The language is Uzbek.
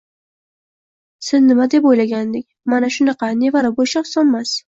Sen nima deb oʻylaganding? Mana shunaqa, nevara boʻlish osonmas!